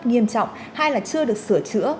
nghiêm trọng hai là chưa được sửa chữa